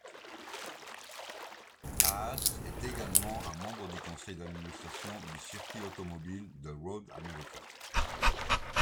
Haas est également un membre du Conseil d'administration du circuit automobile de Road America.